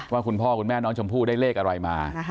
คุณพ่อคุณแม่น้องชมพู่ได้เลขอะไรมา